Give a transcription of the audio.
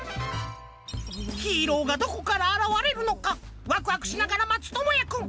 ヒーローがどこからあらわれるのかワクワクしながらまつともやくん。